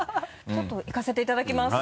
ちょっと行かせていただきます。